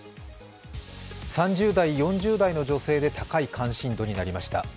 ３０代、４０代の女性で高い関心度になりました。